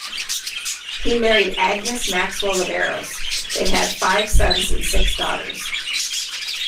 He married Agnes Maxwell of Aros; they had five sons and six daughters.